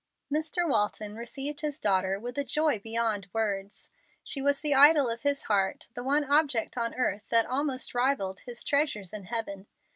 Mr. Walton received his daughter with a joy beyond words. She was the idol of his heart the one object on earth that almost rivalled his "treasures in heaven."